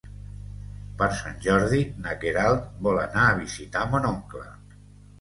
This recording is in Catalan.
Per Sant Jordi na Queralt vol anar a visitar mon oncle.